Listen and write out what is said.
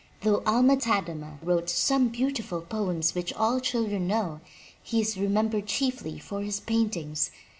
Though Alma Tadema wrote some beautiful poems which all children know, he is remembered chiefly for his paintings.